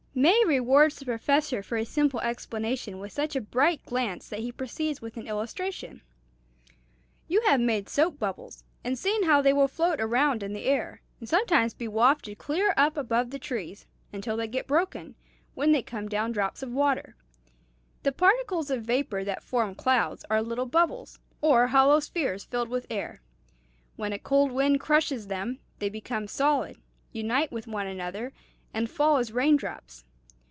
May rewards the Professor for his simple explanation with such a bright glance that he proceeds with an illustration. "You have made soap bubbles, and seen how they will float around in the air, and sometimes be wafted clear up above the trees, until they get broken, when they come down drops of water. The particles of vapor that form clouds are little bubbles, or hollow spheres filled with air. When a cold wind crushes them, they become solid, unite with one another, and fall as rain drops.